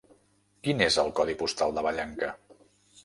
Quin és el codi postal de Vallanca?